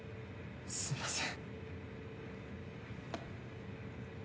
すみません。